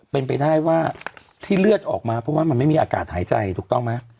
เป็นไปได้ว่าที่เลือดออกมาเพราะว่ามันไม่มีอากาศหายใจถูกต้องไหม